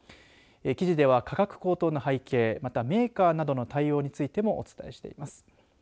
記事では、価格高騰の背景、またメーカーなどの対応についてもお伝えしています。